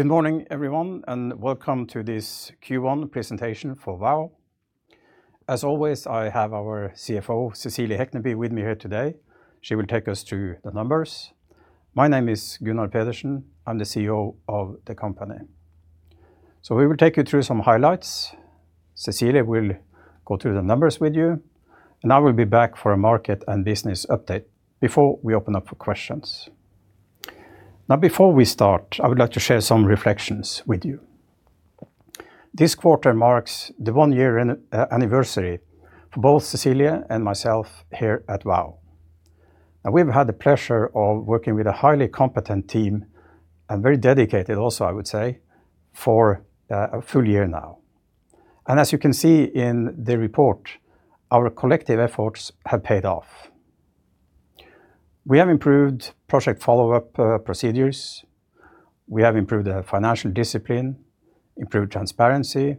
Good morning, everyone, and welcome to this Q1 presentation for Vow. As always, I have our CFO, Cecilie Hekneby, with me here today. She will take us through the numbers. My name is Gunnar Pedersen. I'm the CEO of the company. We will take you through some highlights. Cecilie will go through the numbers with you, and I will be back for a market and business update before we open up for questions. Before we start, I would like to share some reflections with you. This quarter marks the one-year anniversary for both Cecilie and myself here at Vow. We've had the pleasure of working with a highly competent team and very dedicated, also, I would say, for a full year now. And as you can see in the report, our collective efforts have paid off. We have improved project follow-up procedures. We have improved the financial discipline, improved transparency,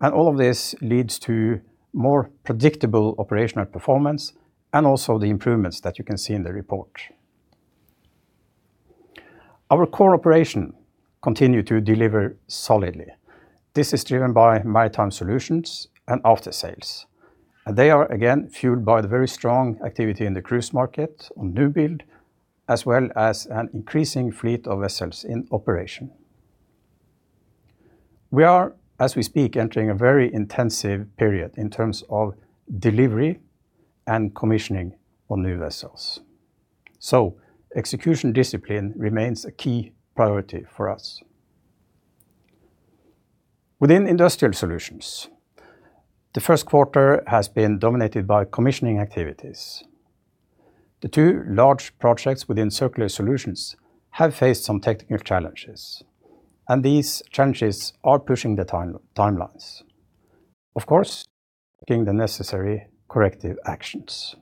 and all of this leads to more predictable operational performance and also the improvements that you can see in the report. Our core operation continues to deliver solidly. This is driven by Maritime Solutions and Aftersales. They are, again, fueled by the very strong activity in the cruise market on new build, as well as an increasing fleet of vessels in operation. We are, as we speak, entering a very intensive period in terms of delivery and commissioning on new vessels. Execution discipline remains a key priority for us. Within Industrial Solutions, the first quarter has been dominated by commissioning activities. The two large projects within Circular Solutions have faced some technical challenges, and these challenges are pushing the timelines, of course, taking the necessary corrective actions.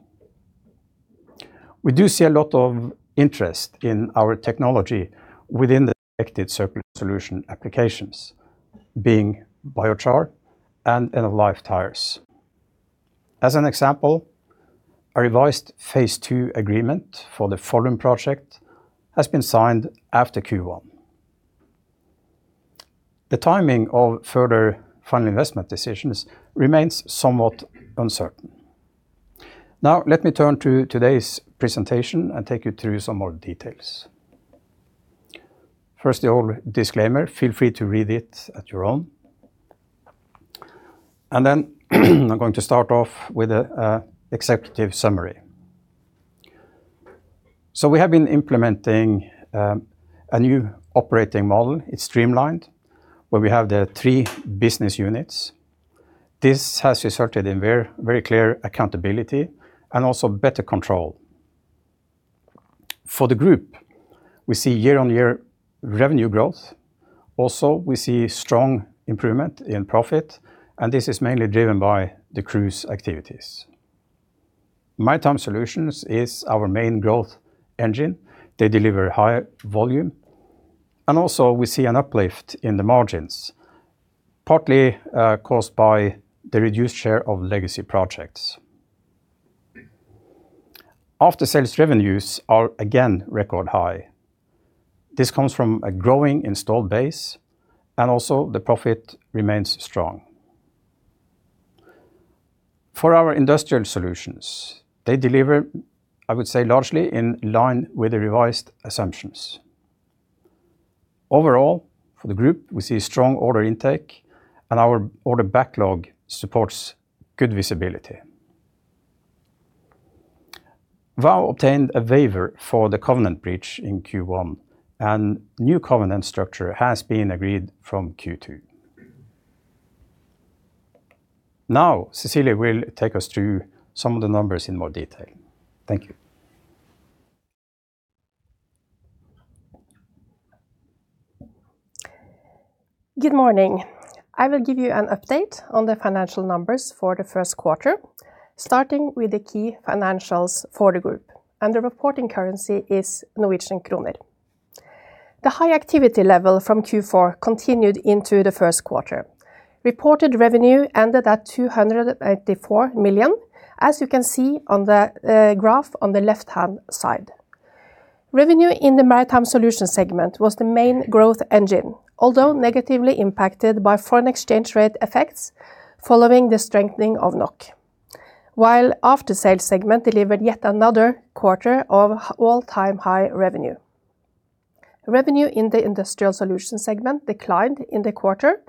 We do see a lot of interest in our technology within the selected Circular Solutions applications, being biochar and end-of-life tyres. As an example, a revised Phase 2 agreement for the Follum project has been signed after Q1. The timing of further funding investment decisions remains somewhat uncertain. Let me turn to today's presentation and take you through some more details. First, the old disclaimer. Feel free to read it at your own. I'm going to start off with an executive summary. We have been implementing a new operating model. It's streamlined, where we have the three business units. This has resulted in very clear accountability and also better control. For the group, we see year-over-year revenue growth. Also, we see strong improvement in profit, and this is mainly driven by the cruise activities. Maritime Solutions is our main growth engine. They deliver high volume. Also, we see an uplift in the margins, partly caused by the reduced share of legacy projects. Aftersales revenues are, again, record high. This comes from a growing installed base, and also the profit remains strong. For our Industrial Solutions, they deliver, I would say, largely in line with the revised assumptions. Overall, for the group, we see strong order intake, and our order backlog supports good visibility. Vow obtained a waiver for the covenant breach in Q1, and new covenant structure has been agreed from Q2. Now, Cecilie will take us through some of the numbers in more detail. Thank you. Good morning. I will give you an update on the financial numbers for the first quarter, starting with the key financials for the group. The reporting currency is Norwegian kroner. The high activity level from Q4 continued into the first quarter. Reported revenue ended at 284 million, as you can see on the graph on the left-hand side. Revenue in the Maritime Solutions segment was the main growth engine, although negatively impacted by foreign exchange rate effects following the strengthening of NOK, while the Aftersales segment delivered yet another quarter of all-time high revenue. Revenue in the Industrial Solutions segment declined in the quarter,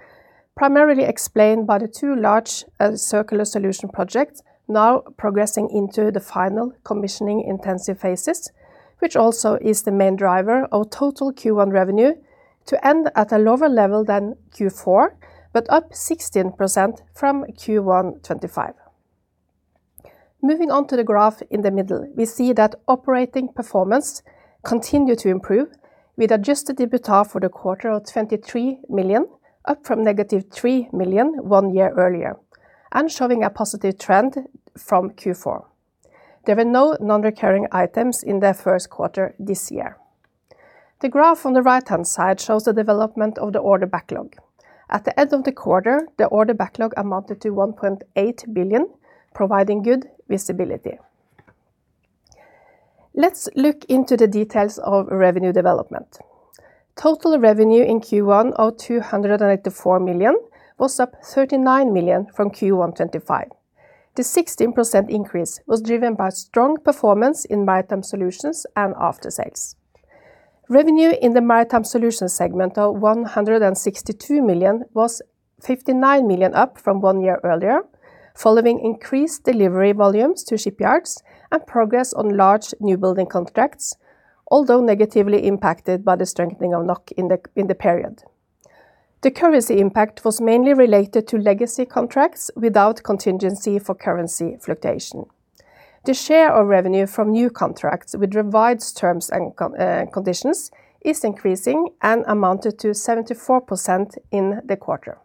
primarily explained by the two large Circular Solutions projects now progressing into the final commissioning-intensive phases, which also is the main driver of total Q1 revenue, to end at a lower level than Q4 but up 16% from Q1 2025. Moving on to the graph in the middle, we see that operating performance continued to improve with adjusted EBITDA for the quarter of 23 million, up from -3 million one year earlier, and showing a positive trend from Q4. There were no non-recurring items in the first quarter this year. The graph on the right-hand side shows the development of the order backlog. At the end of the quarter, the order backlog amounted to 1.8 billion, providing good visibility. Let's look into the details of revenue development. Total revenue in Q1 of 284 million was up 39 million from Q1 2025. The 16% increase was driven by strong performance in Maritime Solutions and Aftersales. Revenue in the Maritime Solutions segment of 162 million was 59 million up from one year earlier, following increased delivery volumes to shipyards and progress on large new building contracts, although negatively impacted by the strengthening of NOK in the period. The currency impact was mainly related to legacy contracts without contingency for currency fluctuation. The share of revenue from new contracts with revised terms and conditions is increasing and amounted to 74% in the quarter.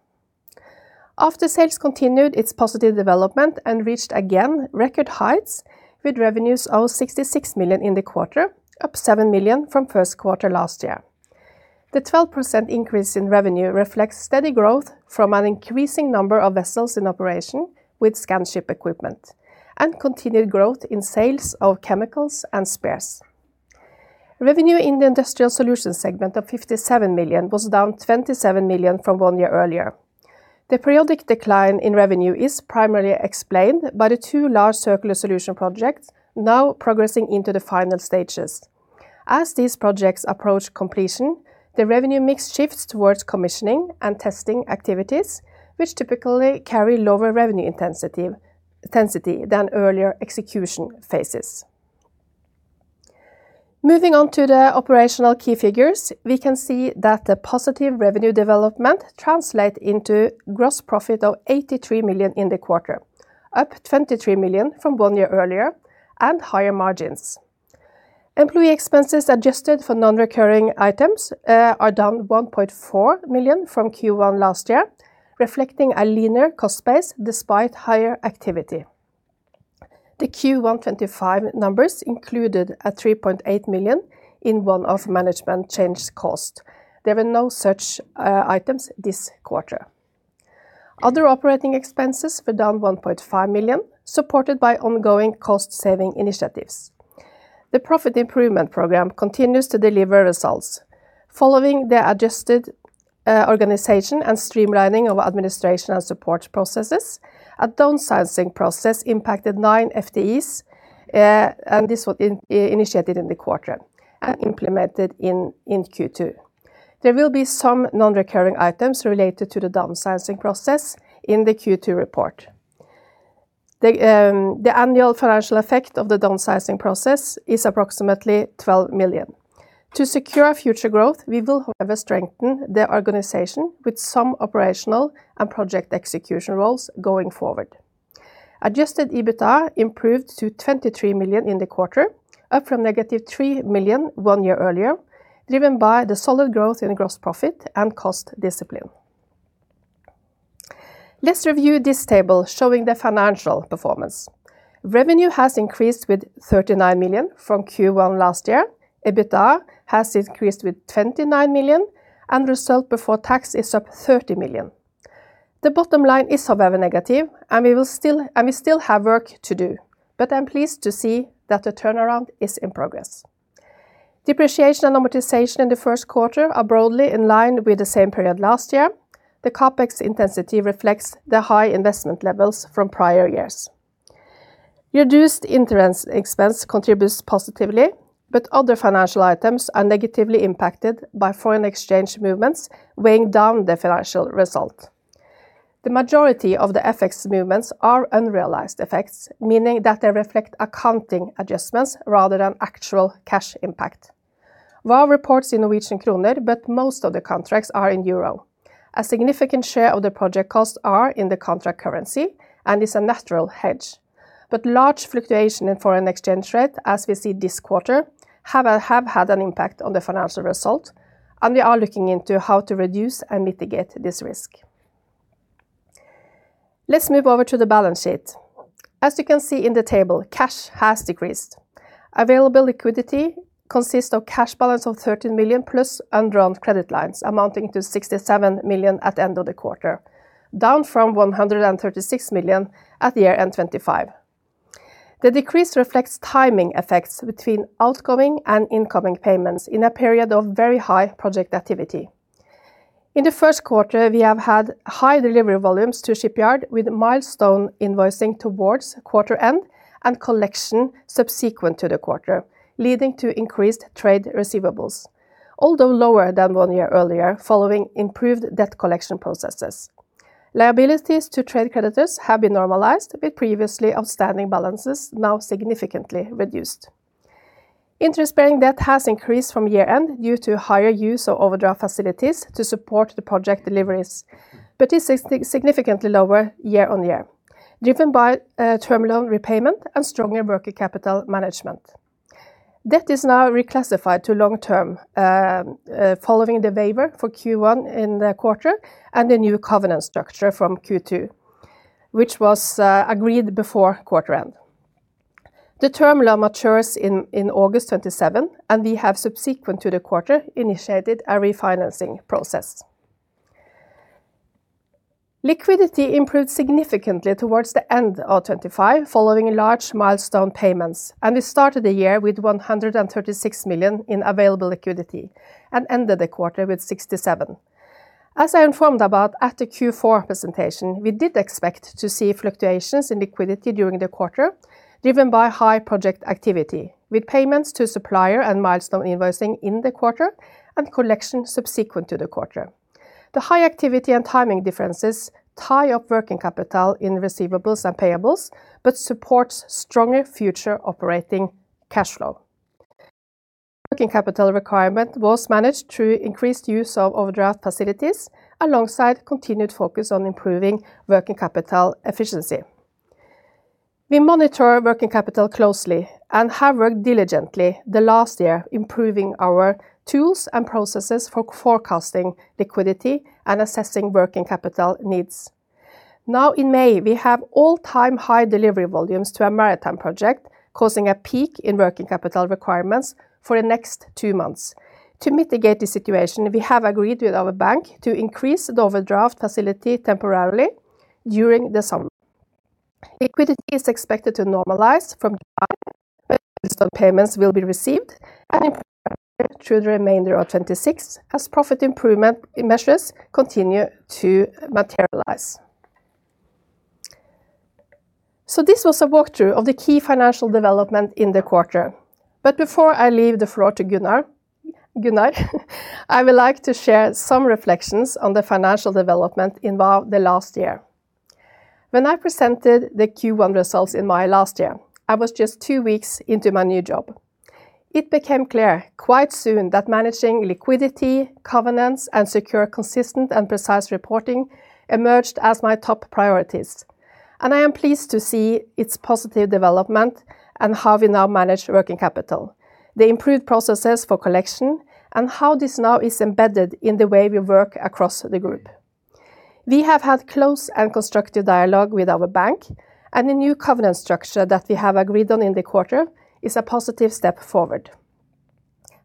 Aftersales continued its positive development and reached, again, record heights with revenues of 66 million in the quarter, up 7 million from first quarter last year. The 12% increase in revenue reflects steady growth from an increasing number of vessels in operation with Scanship equipment and continued growth in sales of chemicals and spares. Revenue in the Industrial Solutions segment of 57 million was down 27 million from one year earlier. The periodic decline in revenue is primarily explained by the two large Circular Solutions projects now progressing into the final stages. As these projects approach completion, the revenue mix shifts towards commissioning and testing activities, which typically carry lower revenue intensity than earlier execution phases. Moving on to the operational key figures, we can see that the positive revenue development translates into gross profit of 83 million in the quarter, up 23 million from one year earlier, and higher margins. Employee expenses adjusted for non-recurring items are down 1.4 million from Q1 last year, reflecting a leaner cost base despite higher activity. The Q1 2025 numbers included a 3.8 million in one-off management change cost. There were no such items this quarter. Other operating expenses were down 1.5 million, supported by ongoing cost-saving initiatives. The profit improvement program continues to deliver results. Following the adjusted organization and streamlining of administration and support processes, a downsizing process impacted nine FTEs, and this was initiated in the quarter and implemented in Q2. There will be some non-recurring items related to the downsizing process in the Q2 report. The annual financial effect of the downsizing process is approximately 12 million. To secure future growth, we will, however, strengthen the organization with some operational and project execution roles going forward. Adjusted EBITDA improved to 23 million in the quarter, up from -3 million one year earlier, driven by the solid growth in gross profit and cost discipline. Let's review this table showing the financial performance. Revenue has increased with 39 million from Q1 last year. EBITDA has increased with 29 million, and the result before tax is up 30 million. The bottom line is, however, negative, and we still have work to do. I'm pleased to see that the turnaround is in progress. Depreciation and amortization in the first quarter are broadly in line with the same period last year. The CapEx intensity reflects the high investment levels from prior years. Reduced interest expense contributes positively, but other financial items are negatively impacted by foreign exchange movements, weighing down the financial result. The majority of the effects movements are unrealized effects, meaning that they reflect accounting adjustments rather than actual cash impact. Vow reports in Norwegian kroner, but most of the contracts are in euro. A significant share of the project costs are in the contract currency and is a natural hedge. Large fluctuations in foreign exchange rate, as we see this quarter, have had an impact on the financial result, and we are looking into how to reduce and mitigate this risk. Let's move over to the balance sheet. As you can see in the table, cash has decreased. Available liquidity consists of a cash balance of +13 million undrawn credit lines amounting to 67 million at the end of the quarter, down from 136 million at year end 2025. The decrease reflects timing effects between outgoing and incoming payments in a period of very high project activity. In the first quarter, we have had high delivery volumes to shipyards, with milestone invoicing towards quarter end and collection subsequent to the quarter, leading to increased trade receivables, although lower than one year earlier, following improved debt collection processes. Liabilities to trade creditors have been normalized with previously outstanding balances now significantly reduced. Interest-bearing debt has increased from year end due to higher use of overdraft facilities to support the project deliveries, but is significantly lower year-on-year, driven by term loan repayment and stronger working capital management. Debt is now reclassified to long-term, following the waiver for Q1 in the quarter and the new covenant structure from Q2, which was agreed before quarter-end. The term loan matures in August 2027, and we have, subsequent to the quarter, initiated a refinancing process. Liquidity improved significantly towards the end of 2025 following large milestone payments, and we started the year with 136 million in available liquidity and ended the quarter with 67 million. As I informed about at the Q4 presentation, we did expect to see fluctuations in liquidity during the quarter, driven by high project activity, with payments to supplier and milestone invoicing in the quarter and collection subsequent to the quarter. The high activity and timing differences tie up working capital in receivables and payables but support stronger future operating cash flow. Working capital requirement was managed through increased use of overdraft facilities alongside continued focus on improving working capital efficiency. We monitor working capital closely and have worked diligently the last year, improving our tools and processes for forecasting liquidity and assessing working capital needs. Now, in May, we have all-time high delivery volumes to a maritime project, causing a peak in working capital requirements for the next two months. To mitigate the situation, we have agreed with our bank to increase the overdraft facility temporarily during the summer. Liquidity is expected to normalize from July, when installment payments will be received and improved through the remainder of 2026 as profit improvement measures continue to materialize. This was a walkthrough of the key financial development in the quarter. Before I leave the floor to Gunnar, I would like to share some reflections on the financial development in Vow the last year. When I presented the Q1 results in May last year, I was just two weeks into my new job. It became clear quite soon that managing liquidity, covenants, and secure, consistent, and precise reporting emerged as my top priorities. I am pleased to see its positive development and how we now manage working capital, the improved processes for collection, and how this now is embedded in the way we work across the group. We have had close and constructive dialogue with our bank, and the new covenant structure that we have agreed on in the quarter is a positive step forward.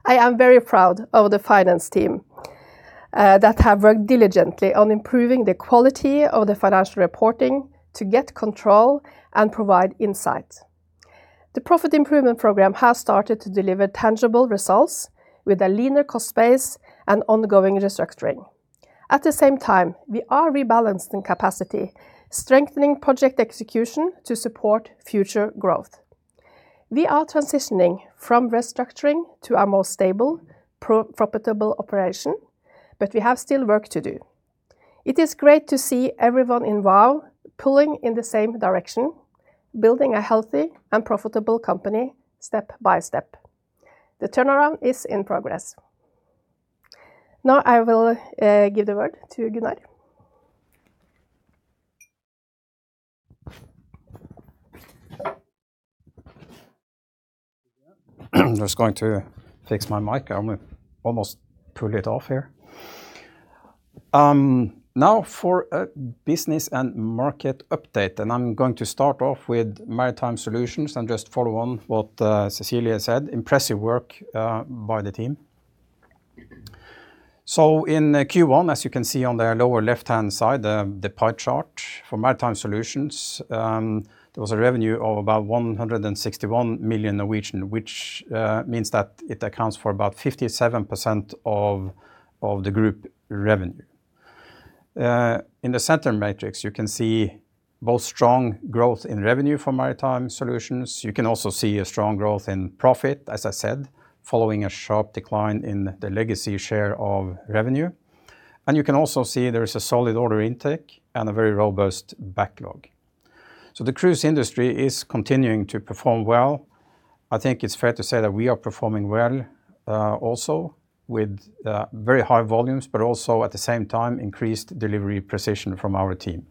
I am very proud of the finance team that have worked diligently on improving the quality of the financial reporting to get control and provide insight. The profit improvement program has started to deliver tangible results with a leaner cost base and ongoing restructuring. At the same time, we are rebalancing capacity, strengthening project execution to support future growth. We are transitioning from restructuring to our most stable, profitable operation, but we have still work to do. It is great to see everyone in Vow pulling in the same direction, building a healthy and profitable company step by step. The turnaround is in progress. Now, I will give the word to Gunnar. I am just going to fix my mic. I almost pulled it off here. Now, for a business and market update, and I am going to start off with Maritime Solutions and just follow on what Cecilie said. Impressive work by the team. In Q1, as you can see on the lower left-hand side, the pie chart for Maritime Solutions, there was a revenue of about 161 million, which means that it accounts for about 57% of the group revenue. In the center matrix, you can see both strong growth in revenue for Maritime Solutions. You can also see a strong growth in profit, as I said, following a sharp decline in the legacy share of revenue. You can also see there is a solid order intake and a very robust backlog. The cruise industry is continuing to perform well. I think it's fair to say that we are performing well, also with very high volumes, but also at the same time, increased delivery precision from our team.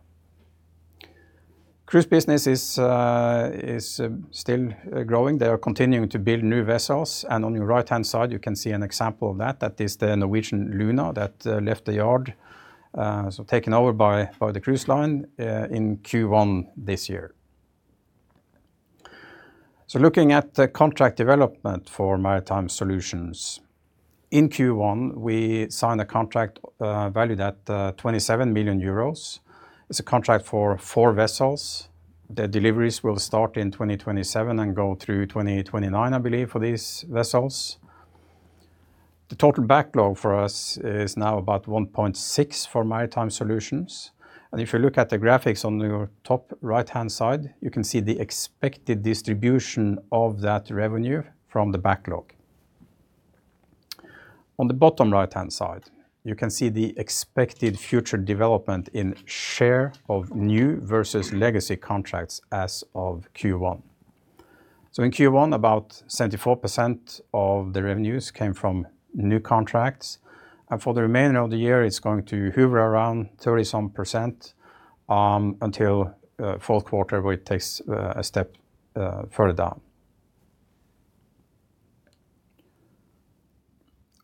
Cruise business is still growing. They are continuing to build new vessels. On your right-hand side, you can see an example of that. That is the Norwegian Luna that left the yard, so taken over by the cruise line in Q1 this year. Looking at the contract development for Maritime Solutions, in Q1, we signed a contract valued at 27 million euros. It's a contract for four vessels. The deliveries will start in 2027 and go through 2029, I believe, for these vessels. The total backlog for us is now about 1.6 for Maritime Solutions. If you look at the graphics on your top right-hand side, you can see the expected distribution of that revenue from the backlog. On the bottom right-hand side, you can see the expected future development in share of new versus legacy contracts as of Q1. In Q1, about 74% of the revenues came from new contracts. For the remainder of the year, it's going to hover around 30-some percent until fourth quarter, where it takes a step further down.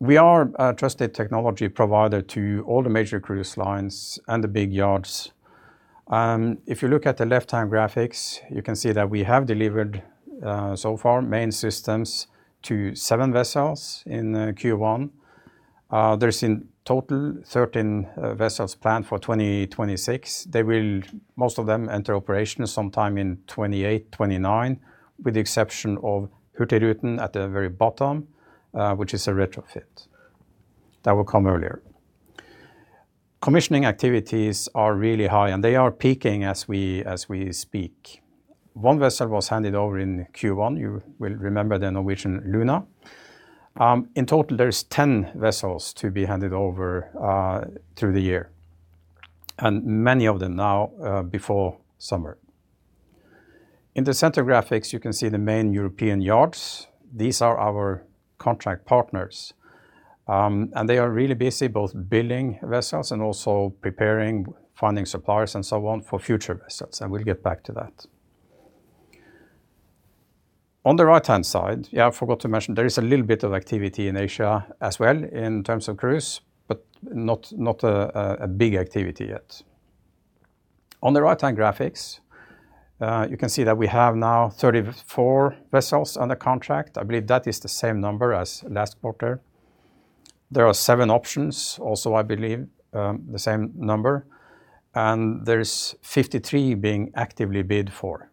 We are a trusted technology provider to all the major cruise lines and the big yards. If you look at the left-hand graphics, you can see that we have delivered so far main systems to seven vessels in Q1. There's in total 13 vessels planned for 2026. Most of them enter operation sometime in 2028, 2029, with the exception of Hurtigruten at the very bottom, which is a retrofit that will come earlier. Commissioning activities are really high, and they are peaking as we speak. One vessel was handed over in Q1. You will remember the Norwegian Luna. In total, there are 10 vessels to be handed over through the year, and many of them now before summer. In the center graphics, you can see the main European yards. These are our contract partners. They are really busy, both building vessels and also preparing, finding suppliers, and so on for future vessels. We'll get back to that. On the right-hand side, I forgot to mention, there is a little bit of activity in Asia as well in terms of cruise, but not a big activity yet. On the right-hand graphics, you can see that we have now 34 vessels under contract. I believe that is the same number as last quarter. There are seven options, also I believe the same number. There's 53 being actively bid for,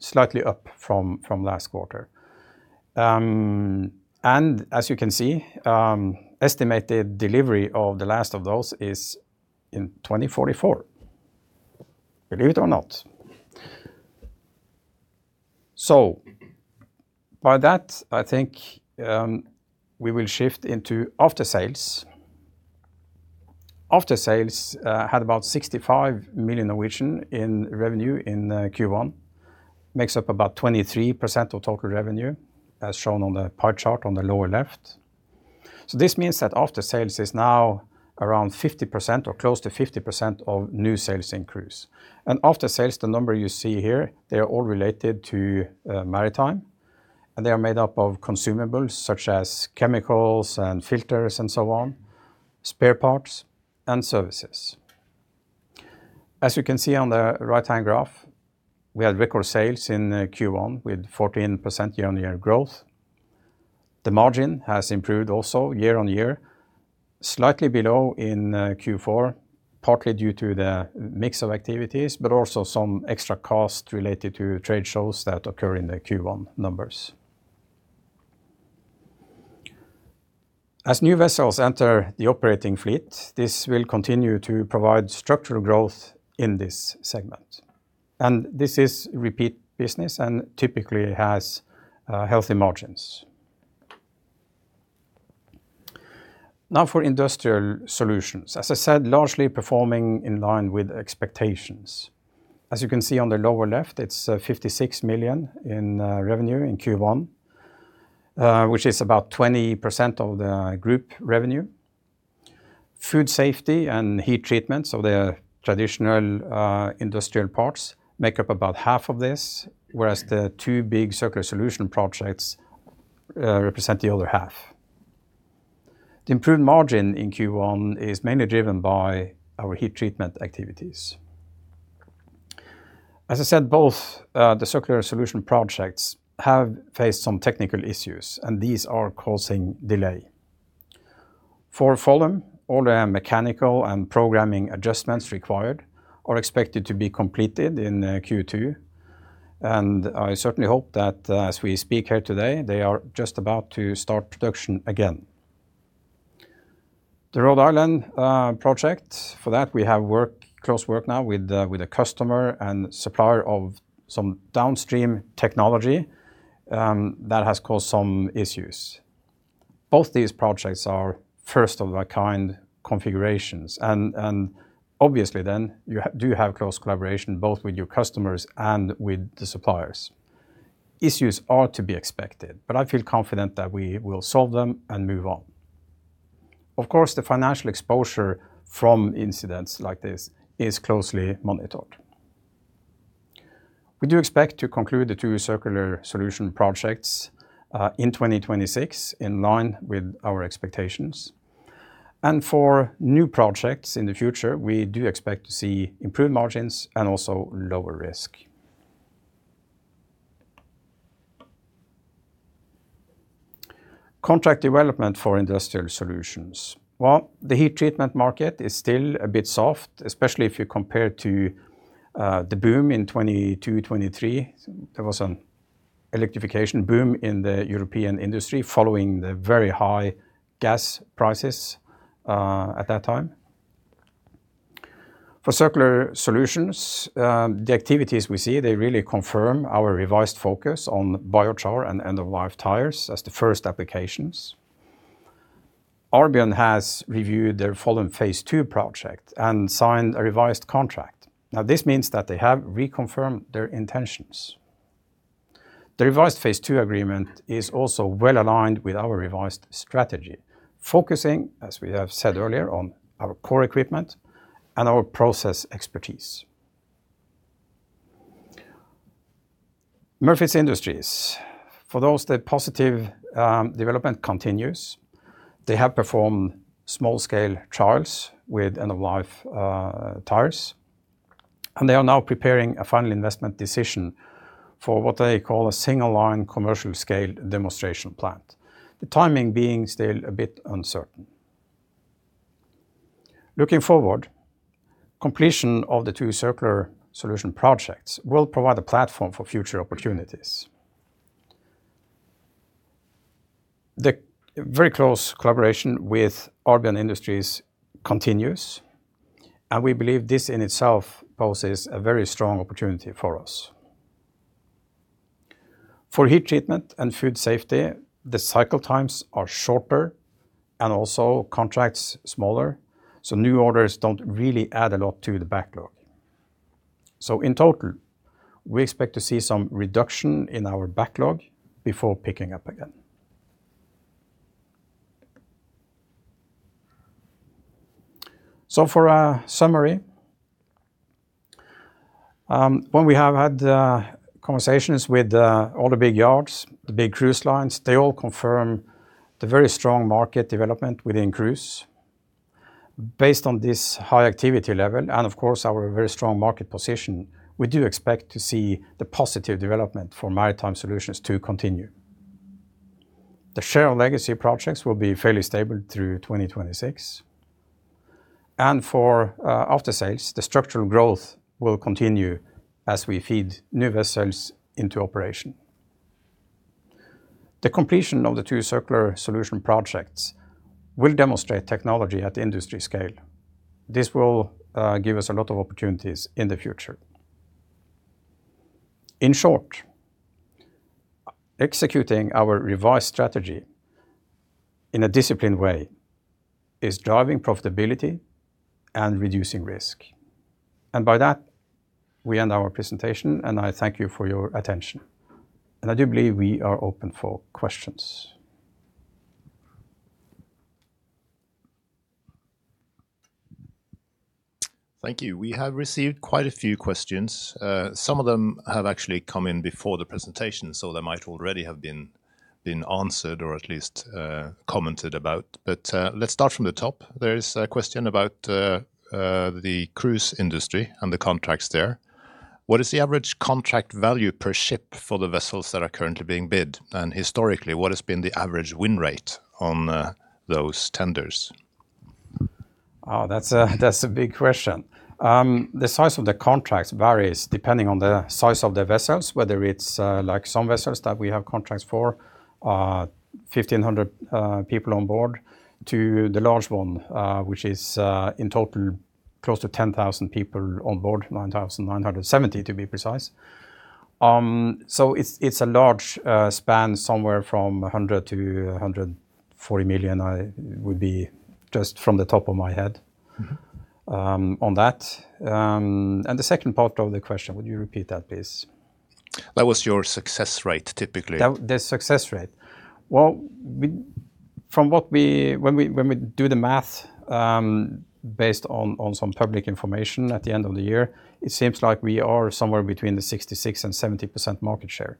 slightly up from last quarter. As you can see, estimated delivery of the last of those is in 2044, believe it or not. By that, I think we will shift into Aftersales. Aftersales had about 65 million in revenue in Q1, makes up about 23% of total revenue as shown on the pie chart on the lower left. This means that Aftersales is now around 50% or close to 50% of new sales in cruise. Aftersales, the number you see here, they are all related to maritime, and they are made up of consumables such as chemicals and filters and so on, spare parts, and services. As you can see on the right-hand graph, we had record sales in Q1 with 14% year-on-year growth. The margin has improved also year-on-year, slightly below in Q4, partly due to the mix of activities, but also some extra costs related to trade shows that occur in the Q1 numbers. As new vessels enter the operating fleet, this will continue to provide structural growth in this segment. This is repeat business and typically has healthy margins. For Industrial Solutions, as I said, largely performing in line with expectations. As you can see on the lower left, it's 56 million in revenue in Q1, which is about 20% of the group revenue. Food safety and heat treatments of the traditional industrial parts make up about half of this, whereas the two big Circular Solutions projects represent the other half. The improved margin in Q1 is mainly driven by our heat treatment activities. As I said, both the Circular Solutions projects have faced some technical issues, and these are causing delay. For Follum, all the mechanical and programming adjustments required are expected to be completed in Q2. I certainly hope that as we speak here today, they are just about to start production again. The Rhode Island project, for that, we have close work now with a customer and supplier of some downstream technology that has caused some issues. Both these projects are first-of-a-kind configurations. Obviously, then, you do have close collaboration both with your customers and with the suppliers. Issues are to be expected, but I feel confident that we will solve them and move on. Of course, the financial exposure from incidents like this is closely monitored. We do expect to conclude the two Circular Solutions projects in 2026 in line with our expectations. For new projects in the future, we do expect to see improved margins and also lower risk. Contract development for Industrial Solutions. The heat treatment market is still a bit soft, especially if you compare to the boom in 2022-2023. There was an electrification boom in the European industry following the very high gas prices at that time. For Circular Solutions, the activities we see, they really confirm our revised focus on biochar and end-of-life tyres as the first applications. Arbion has reviewed their Follum Phase 2 project and signed a revised contract. Now, this means that they have reconfirmed their intentions. The revised Phase 2 agreement is also well aligned with our revised strategy, focusing, as we have said earlier, on our core equipment and our process expertise. Murfitts Industries, for those, the positive development continues. They have performed small-scale trials with end-of-life tyres. They are now preparing a final investment decision for what they call a single-line commercial-scale demonstration plant, the timing being still a bit uncertain. Looking forward, completion of the two Circular Solutions projects will provide a platform for future opportunities. The very close collaboration with Arbion Industries continues. We believe this in itself poses a very strong opportunity for us. For heat treatment and food safety, the cycle times are shorter and also contracts smaller. New orders don't really add a lot to the backlog. In total, we expect to see some reduction in our backlog before picking up again. For a summary, when we have had conversations with all the big yards, the big cruise lines, they all confirm the very strong market development within cruise. Based on this high activity level and, of course, our very strong market position, we do expect to see the positive development for Maritime Solutions to continue. The share of legacy projects will be fairly stable through 2026. For Aftersales, the structural growth will continue as we feed new vessels into operation. The completion of the two Circular Solutions projects will demonstrate technology at industry scale. This will give us a lot of opportunities in the future. In short, executing our revised strategy in a disciplined way is driving profitability and reducing risk. By that, we end our presentation, and I thank you for your attention. I do believe we are open for questions. Thank you. We have received quite a few questions. Some of them have actually come in before the presentation, so they might already have been answered or at least commented about. Let's start from the top. There is a question about the cruise industry and the contracts there. What is the average contract value per ship for the vessels that are currently being bid? Historically, what has been the average win rate on those tenders? That's a big question. The size of the contracts varies depending on the size of the vessels, whether it's like some vessels that we have contracts for, 1,500 people on board, to the large one, which is in total close to 10,000 people on board, 9,970 to be precise. It's a large span somewhere from 100 million-140 million, I would be just from the top of my head on that. The second part of the question, would you repeat that, please? What was your success rate, typically? The success rate? Well, from what we when we do the math based on some public information at the end of the year, it seems like we are somewhere between the 66%-70% market share.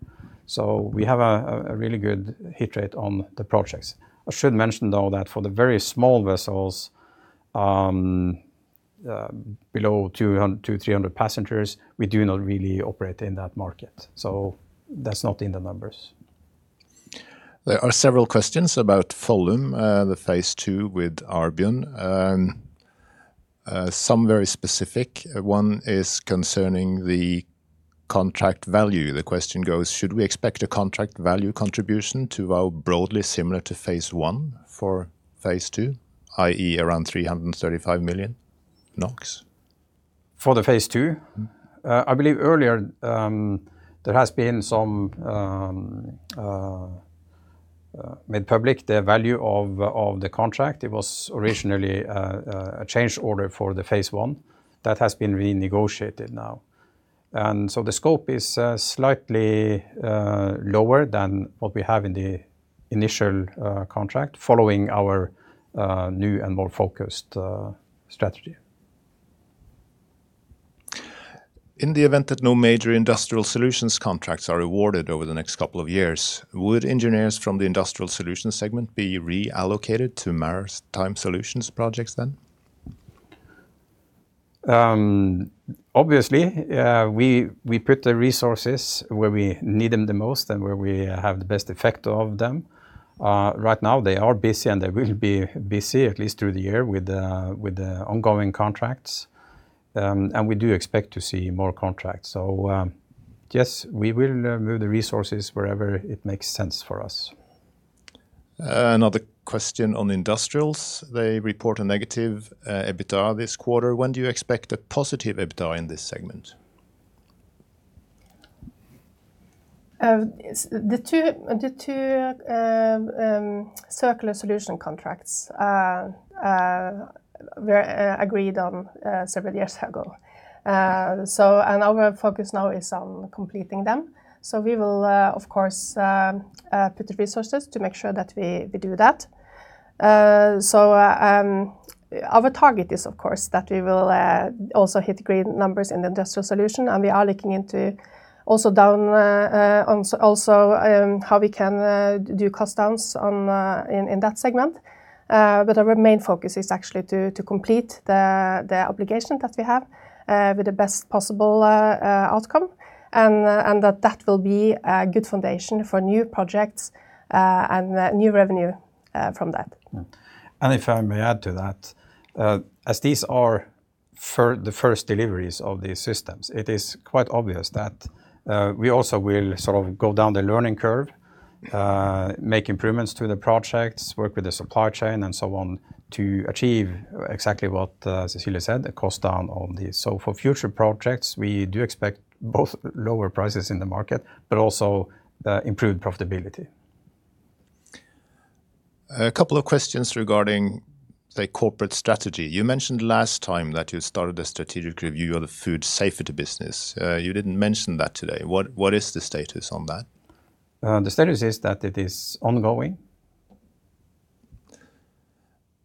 We have a really good hit rate on the projects. I should mention, though, that for the very small vessels below 200, 300 passengers, we do not really operate in that market. That's not in the numbers. There are several questions about Follum, the Phase 2 with Arbion. Some very specific. One is concerning the contract value. The question goes, should we expect a contract value contribution to how broadly similar to Phase 1 for Phase 2, i.e., around 335 million NOK? For the Phase 2, I believe earlier there has been some made public the value of the contract. It was originally a change order for the Phase 1. That has been renegotiated now. The scope is slightly lower than what we have in the initial contract, following our new and more focused strategy. In the event that no major Industrial Solutions contracts are awarded over the next couple of years, would engineers from the Industrial Solutions segment be reallocated to Maritime Solutions projects then? Obviously, we put the resources where we need them the most and where we have the best effect of them. Right now, they are busy, and they will be busy at least through the year with the ongoing contracts. We do expect to see more contracts. Yes, we will move the resources wherever it makes sense for us. Another question on Industrial Solutions. They report a negative EBITDA this quarter. When do you expect a positive EBITDA in this segment? The two Circular Solutions contracts were agreed on several years ago. Our focus now is on completing them. We will, of course, put resources to make sure that we do that. Our target is, of course, that we will also hit green numbers in the Industrial Solutions. We are looking into how we can do cost downs in that segment. Our main focus is actually to complete the obligation that we have with the best possible outcome, and that will be a good foundation for new projects and new revenue from that. If I may add to that, as these are the first deliveries of these systems, it is quite obvious that we also will sort of go down the learning curve, make improvements to the projects, work with the supply chain, and so on, to achieve exactly what Cecilie said, a cost down on these. For future projects, we do expect both lower prices in the market but also improved profitability. A couple of questions regarding, say, corporate strategy. You mentioned last time that you started a strategic review of the food safety business. You didn't mention that today. What is the status on that? The status is that it is ongoing.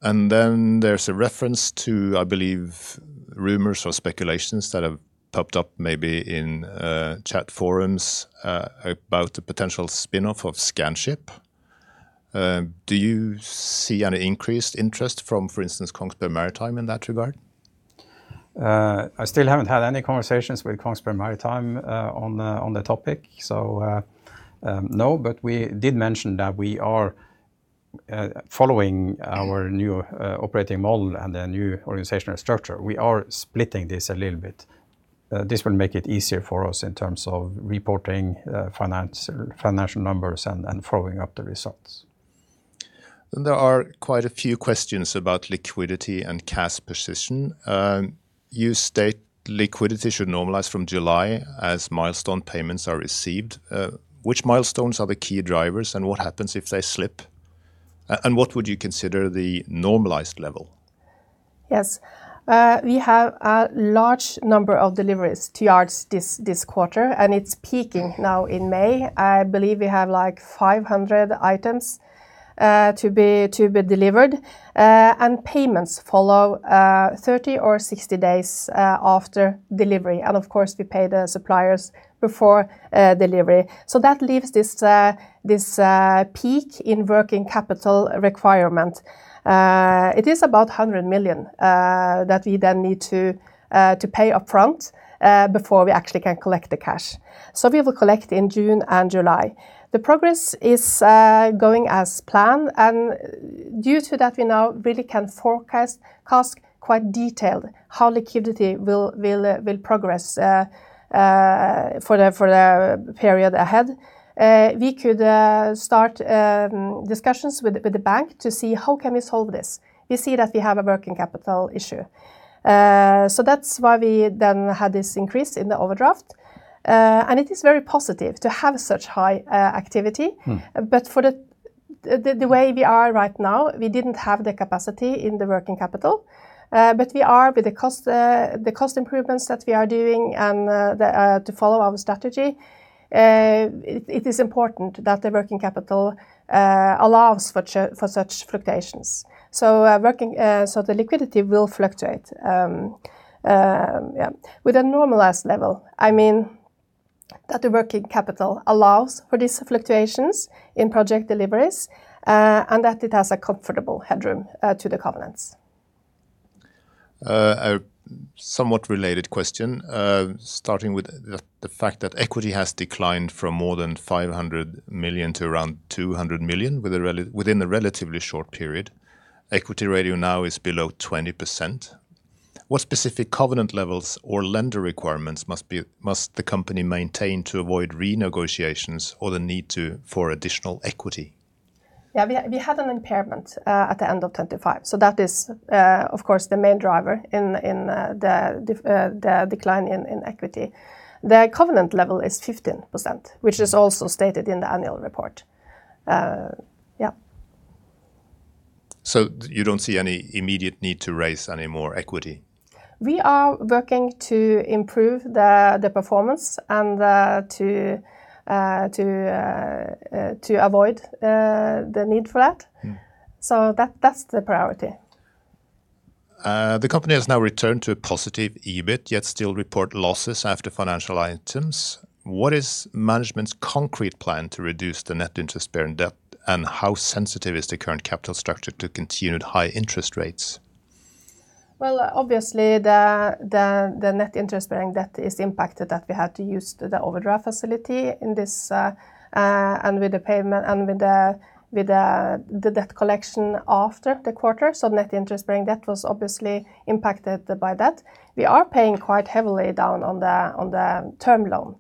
There's a reference to, I believe, rumors or speculations that have popped up, maybe in chat forums, about the potential spinoff of Scanship. Do you see any increased interest from, for instance, Kongsberg Maritime in that regard? I still haven't had any conversations with Kongsberg Maritime on the topic, no. We did mention that we are following our new operating model and the new organizational structure. We are splitting this a little bit. This will make it easier for us in terms of reporting financial numbers and following up the results. There are quite a few questions about liquidity and cash position. You state liquidity should normalize from July as milestone payments are received. Which milestones are the key drivers, and what happens if they slip? What would you consider the normalized level? Yes. We have a large number of deliveries to yards this quarter, and it's peaking now in May. I believe we have like 500 items to be delivered. Payments follow 30 or 60 days after delivery. Of course, we pay the suppliers before delivery. That leaves this peak in working capital requirement. It is about 100 million that we then need to pay upfront before we actually can collect the cash. We will collect in June and July. The progress is going as planned. Due to that, we now really can forecast quite detailed how liquidity will progress for the period ahead. We could start discussions with the bank to see how can we solve this. We see that we have a working capital issue. That's why we then had this increase in the overdraft. It is very positive to have such high activity. For the way we are right now, we didn't have the capacity in the working capital. We are with the cost improvements that we are doing to follow our strategy. It is important that the working capital allows for such fluctuations. The liquidity will fluctuate, yeah, with a normalized level. I mean that the working capital allows for these fluctuations in project deliveries and that it has a comfortable headroom to the covenants. A somewhat related question, starting with the fact that equity has declined from more than 500 million to around 200 million within a relatively short period. Equity ratio now is below 20%. What specific covenant levels or lender requirements must the company maintain to avoid renegotiations or the need for additional equity? We had an impairment at the end of 2025. That is, of course, the main driver in the decline in equity. The covenant level is 15%, which is also stated in the annual report. You don't see any immediate need to raise any more equity? We are working to improve the performance and to avoid the need for that. That's the priority. The company has now returned to a positive EBIT, yet still report losses after financial items. What is management's concrete plan to reduce the net interest-bearing debt, and how sensitive is the current capital structure to continued high interest rates? Well, obviously, the net interest-bearing debt is impacted that we had to use the overdraft facility and with the debt collection after the quarter. Net interest-bearing debt was obviously impacted by that. We are paying quite heavily down on the term loan.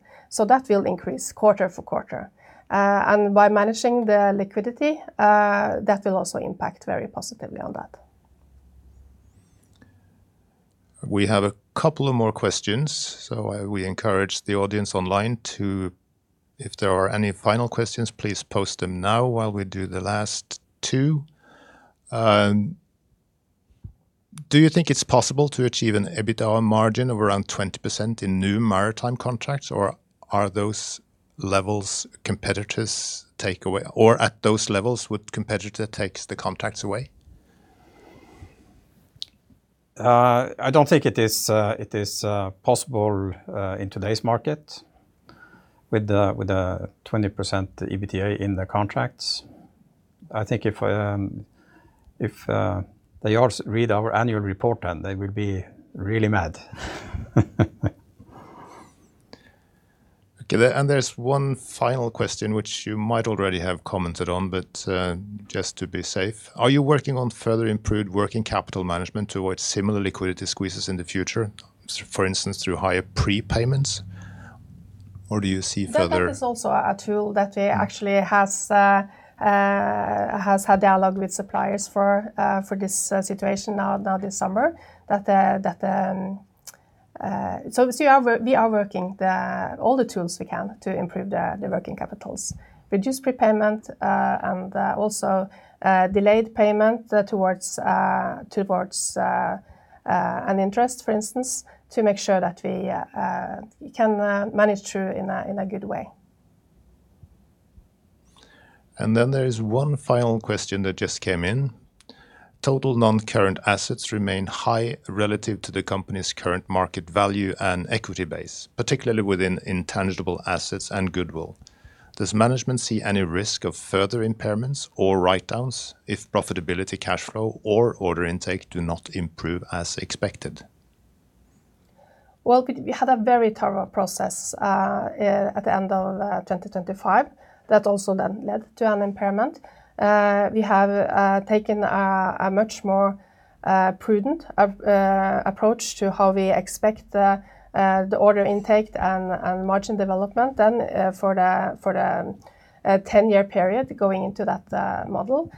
That will increase quarter for quarter. By managing the liquidity, that will also impact very positively on that. We have a couple of more questions. We encourage the audience online to, if there are any final questions, please post them now, while we do the last two. Do you think it's possible to achieve an EBITDA margin of around 20% in new maritime contracts, or are those levels competitors take away or at those levels, would competitor takes the contracts away? I don't think it is possible in today's market with a 20% EBITDA in the contracts. I think if they all read our annual report, then they will be really mad. Okay. There's one final question, which you might already have commented on, but just to be safe. Are you working on further improved working capital management to avoid similar liquidity squeezes in the future, for instance, through higher prepayments, or do you see further? That is also a tool that we actually had dialogue with suppliers for this situation, now this summer. We are working all the tools we can to improve the working capitals, reduce prepayment, and also delayed payment towards an interest, for instance, to make sure that we can manage through in a good way. There is one final question that just came in. Total non-current assets remain high relative to the company's current market value and equity base, particularly within intangible assets and goodwill. Does management see any risk of further impairments or write-downs if profitability, cash flow, or order intake do not improve as expected? Well, we had a very turbo process at the end of 2025 that also then led to an impairment. We have taken a much more prudent approach to how we expect the order intake and margin development then for the 10-year period going into that model.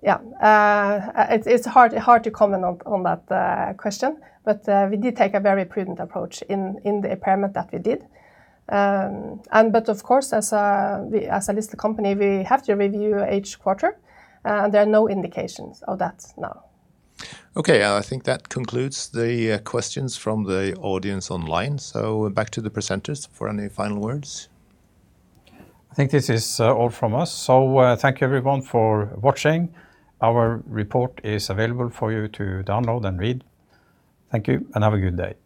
Yeah, it's hard to comment on that question. We did take a very prudent approach in the impairment that we did. Of course, as a listed company, we have to review each quarter. There are no indications of that now. Okay. I think that concludes the questions from the audience online. Back to the presenters for any final words. I think this is all from us. Thank you, everyone, for watching. Our report is available for you to download and read. Thank you, and have a good day.